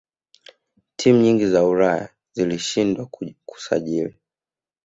timu nyingi za ulaya zilishindwa kusajili